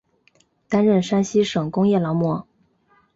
担任山西省工业劳模。